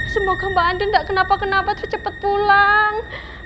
semoga mbak andin gak kenapa kenapa tercepet pulang